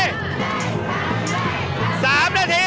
๓นาที